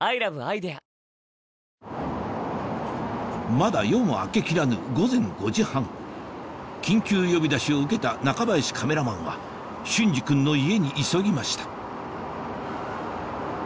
まだ夜も明けきらぬ緊急呼び出しを受けた中林カメラマンは隼司君の家に急ぎました